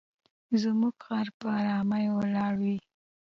زموږ خر په آرامۍ ولاړ وي.